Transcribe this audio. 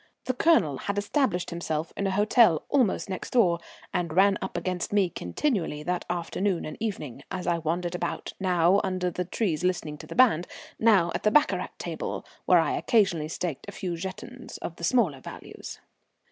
The Colonel had established himself in a hotel almost next door, and ran up against me continually that afternoon and evening, as I wandered about now under the trees listening to the band, now at the baccarat table, where I occasionally staked a few jetons of the smaller values.